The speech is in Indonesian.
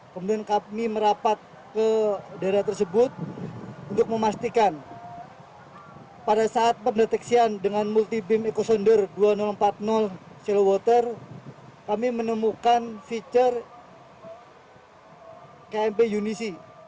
kemudian kami merapat ke daerah tersebut untuk memastikan pada saat pendeteksian dengan multi beam echosuder dua ribu empat puluh syl water kami menemukan feature kmp yunisi